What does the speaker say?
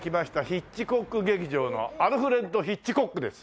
ヒッチコック劇場のアルフレッド・ヒッチコックです。